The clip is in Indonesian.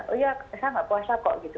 oh ya saya tidak puasa kok gitu